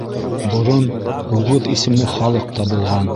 Борон уғыҙ исемле халыҡ та булған.